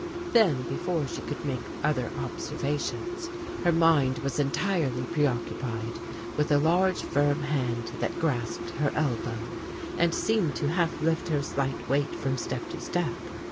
Then, before she could make other observations, her mind was entirely preoccupied with a large, firm hand that grasped her elbow, and seemed to half lift her slight weight from step to step.